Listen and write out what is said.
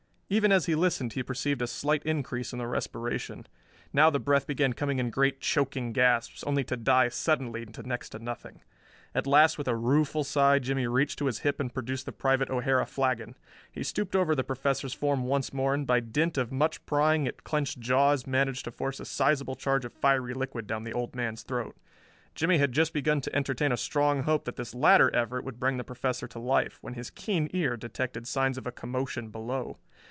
Even as he listened he perceived a slight increase in the respiration. Now the breath began coming in great, choking gasps, only to die suddenly to next to nothing. At last with a rueful sigh Jimmie reached to his hip and produced the private O'Hara flagon. He stooped over the Professor's form once more and by dint of much prying at clenched jaws managed to force a sizeable charge of fiery liquid down the old man's throat. Jimmie had just begun to entertain a strong hope that this latter effort would bring the Professor to life, when his keen ear detected signs of a commotion below.